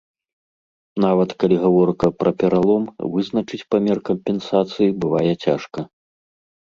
Нават калі гаворка пра пералом, вызначыць памер кампенсацыі бывае цяжка.